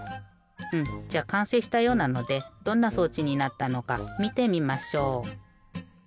うんじゃあかんせいしたようなのでどんな装置になったのかみてみましょう。